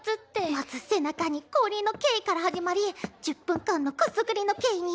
まず背中に氷の刑から始まり１０分間のくすぐりの刑に。